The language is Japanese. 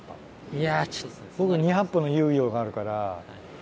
２００歩の猶予があるから。